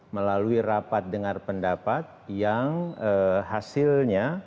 melalui rapat dengar pendapat yang hasilnya